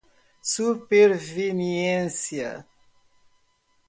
superveniência